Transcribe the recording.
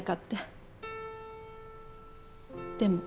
でも。